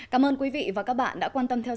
cảm ơn quý vị và các bạn đã quan tâm theo dõi